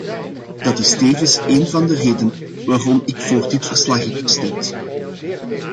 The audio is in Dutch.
Dat is tevens een van de redenen waarom ik voor dit verslag heb gestemd.